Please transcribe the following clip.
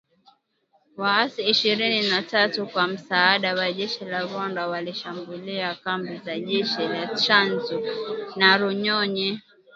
Waasi ishirini na tatu kwa msaada wa jeshi la Rwanda walishambulia kambi za jeshi la Tchanzu na Runyonyi